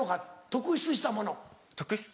特出したもの。